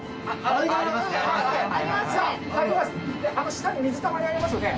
下に水たまりありますよね？